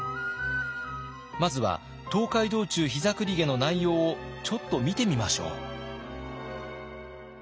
まずは「東海道中膝栗毛」の内容をちょっと見てみましょう。